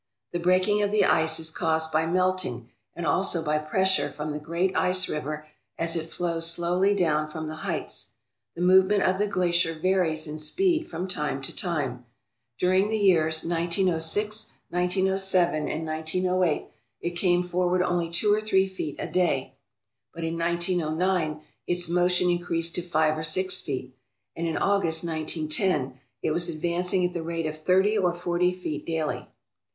The breaking of the ice is caused by melting and also by pressure from the great ice river as it flows slowly down from the heights. The movement of the glacier varies in speed from time to time. During the years 1906, 1907, and 1908 it came forward only two or three feet a day, but in 1909 its motion increased to five or six feet, and in August, 19 10, it was advancing at the rate of thirty or forty feet daily.